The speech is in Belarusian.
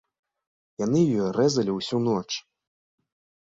Яны яе рэзалі ўсю ноч.